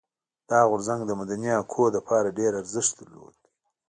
دا غورځنګ د مدني حقونو لپاره ډېر ارزښت درلود.